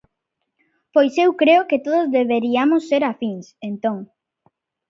Pois eu creo que todos deberiamos de ser afíns, entón.